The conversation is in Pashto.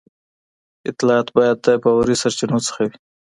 اطلاعات باید د باوري سرچینو څخه وي.